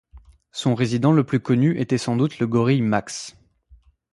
Son résident le plus connu était sans doute le gorille Max.